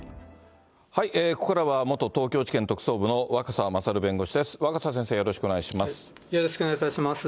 ここからは、元東京地検特捜部の若狭勝弁護士です。